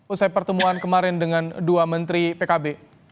usai pertemuan kemarin dengan dua menteri pkb